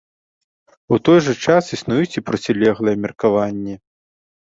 У той жа час існуюць і процілеглыя меркаванні.